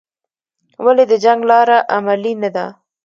ولې د جنګ لاره عملي نه ده؟